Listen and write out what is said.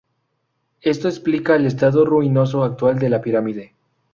Esto explica el estado ruinoso actual de la pirámide.